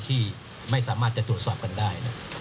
ที่ไม่สามารถจะตรวจสอบกันได้